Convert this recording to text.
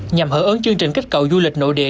nhằm hợp ứng chương trình kích cậu du lịch nội địa